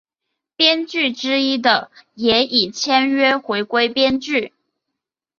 编剧之一的也已签约回归编剧。